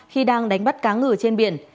khi đang đánh bắt cá ngựa trên biển